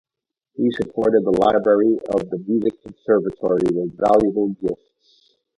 He supported the library of the music conservatory with valuable gifts.